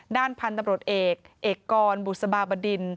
ด้านพันธุ์ตำรวจเอกเอกกรบุษบาบดิน